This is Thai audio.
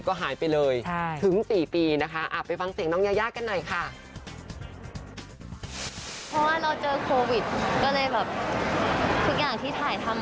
ก็เลยแบบทุกอย่างที่ถ่ายทำ